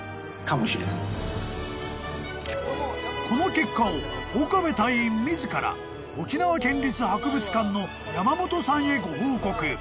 ［この結果を岡部隊員自ら沖縄県立博物館の山本さんへご報告］